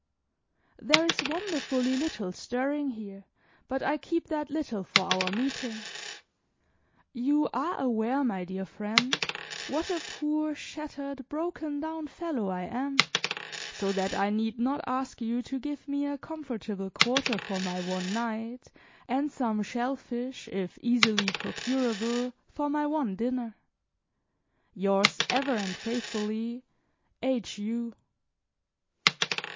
There is wonderfully little stirring here, but I keep that little for our meeting. You are aware, my dear friend, what a poor, shattered, broken down fellow I am; so that I need not ask you to give me a comfortable quarter for my one night, and some shell fish, if easily procurable, for my one dinner. Yours, ever and faithfully, H. U.